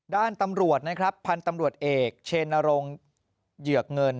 ด้านตำรวจนะครับพันธุ์ตำรวจเอกเชนรงค์เหยือกเงิน